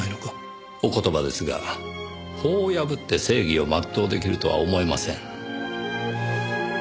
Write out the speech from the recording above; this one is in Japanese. お言葉ですが法を破って正義を全う出来るとは思えません。